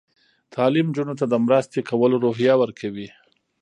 تعلیم نجونو ته د مرستې کولو روحیه ورکوي.